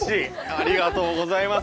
ありがとうございます。